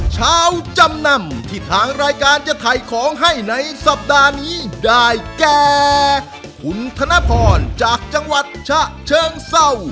จำนำที่ทางรายการจะถ่ายของให้ในสัปดาห์นี้ได้แก่คุณธนพรจากจังหวัดฉะเชิงเศร้า